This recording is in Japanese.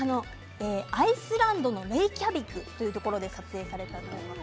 アイスランドのレイキャビクというところで撮影されたものです。